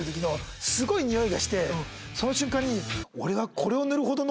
その瞬間に。